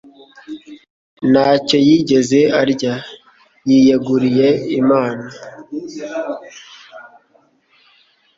ntacyo yigeze arya. Yiyeguriye Imana,